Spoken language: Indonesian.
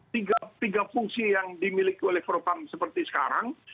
tiga fungsi yang dimiliki oleh propam seperti sekarang